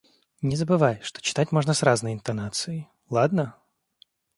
Не забывай, что читать можно с разной интонацией, ладно?